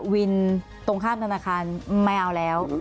วินตรงข้ามธนาคารไม่เอาแล้ว